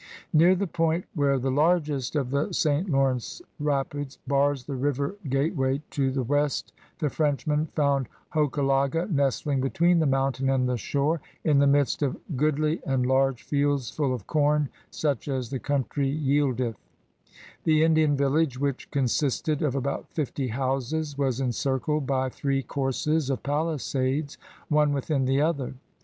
Near the point where the largest of the St. Lawrence rapids bars the river gateway to the 22 CRUSADERS OF NEW FRANCE west the Frenchman found Hochelaga n^ between the mountain and the shore, in the midst of ''goodly and large fields full of com such as the country yieldeth/' The Indian village, which consisted of about fifty houses, was encircled by three courses of palisades, one within the other.